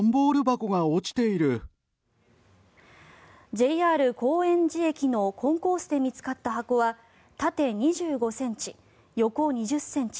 ＪＲ高円寺駅のコンコースで見つかった箱は縦２５ｃｍ、横２０ｃｍ